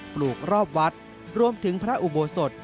ลูกรอบวัดรวมถึงพระอุโบสถ